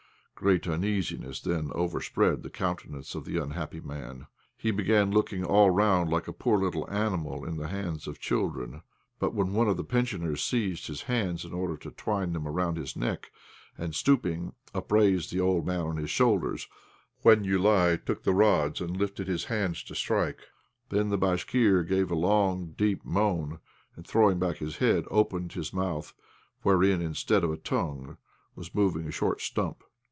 Great uneasiness then overspread the countenance of the unhappy man. He began looking all round like a poor little animal in the hands of children. But when one of the pensioners seized his hands in order to twine them round his neck, and, stooping, upraised the old man on his shoulders, when Joulaï took the rods and lifted his hands to strike, then the Bashkir gave a long, deep moan, and, throwing back his head, opened his mouth, wherein, instead of a tongue, was moving a short stump.